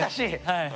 はい。